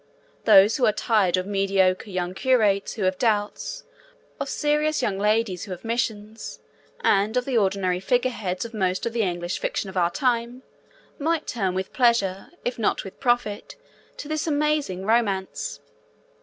Those who are tired of mediocre young curates who have doubts, of serious young ladies who have missions, and of the ordinary figureheads of most of the English fiction of our time, might turn with pleasure, if not with profit, to this amazing romance.